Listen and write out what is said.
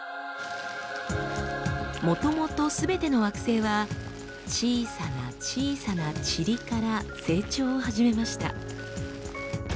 もともとすべての惑星は小さな小さなチリから成長を始めました。